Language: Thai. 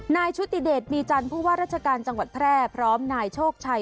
ชุติเดชมีจันทร์ผู้ว่าราชการจังหวัดแพร่พร้อมนายโชคชัย